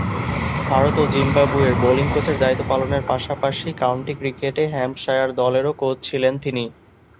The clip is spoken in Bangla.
ভারত ও জিম্বাবুয়ের বোলিং কোচের দায়িত্ব পালনের পাশাপাশি কাউন্টি ক্রিকেটে হ্যাম্পশায়ার দলেরও কোচ ছিলেন তিনি।